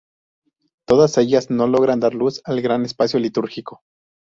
Todas ellas no logran dar luz al gran espacio litúrgico.